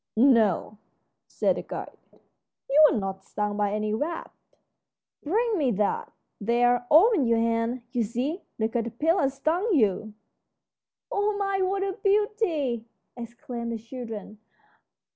"No," said the guide, "you're not stung by any wasp. Bring me that! There, open your hand. You see, the caterpillar stung you." "Oh my, what a beauty!" exclaimed the children.